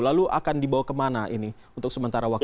lalu akan dibawa kemana ini untuk sementara waktu